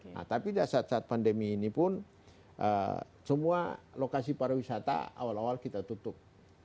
nah tapi saat saat pandemi ini pun semua lokasi para wisata awal awal kita tutup